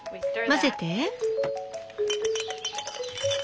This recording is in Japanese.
混ぜて。